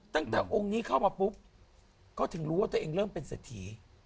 ตั้งแต่องค์นี้เข้ามาปุ๊บก็ถึงรู้ว่าตัวเองเริ่มเป็นเศรษฐี